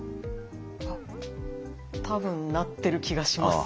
あっ多分なってる気がします。